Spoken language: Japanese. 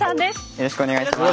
よろしくお願いします。